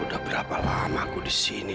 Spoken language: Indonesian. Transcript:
udah berapa lama aku disini